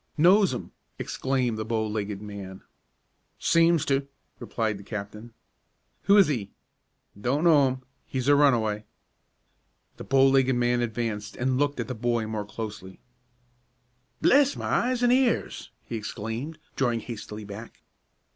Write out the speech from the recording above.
"Knows 'im!" exclaimed the bow legged man. "Seems to," replied the captain. "Who is 'e?" "Don't know 'im. He's a runaway." The bow legged man advanced and looked at the boy more closely. "Bless my eyes an' ears!" he exclaimed, drawing hastily back.